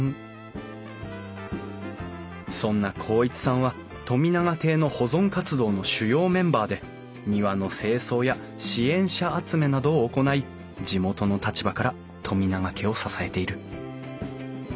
そんな孝一さんは富永邸の保存活動の主要メンバーで庭の清掃や支援者集めなどを行い地元の立場から富永家を支えている。